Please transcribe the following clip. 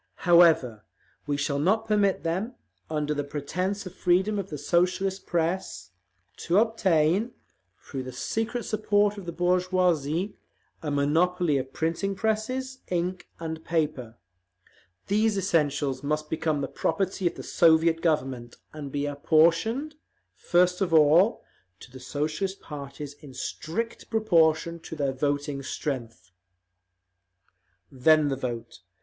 However, we shall not permit them, under the pretence of freedom of the Socialist press, to obtain, through the secret support of the bourgeoisie, a monopoly of printing presses, ink and paper…. These essentials must become the property of the Soviet Government, and be apportioned, first of all, to the Socialist parties in strict proportion to their voting strength…." Then the vote.